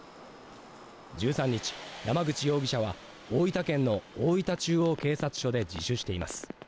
１３日、山口容疑者は大分県の大分中央警察署で自首しています。